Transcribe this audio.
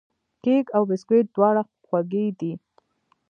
کیک او بسکوټ دواړه خوږې دي.